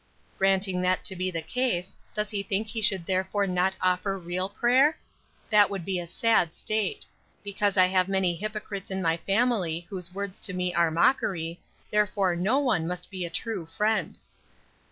"Granting that to be the case, does he think he should therefore not offer real prayer? That would be a sad state. Because I have many hypocrites in my family whose words to me are mockery, therefore no one must be a true friend."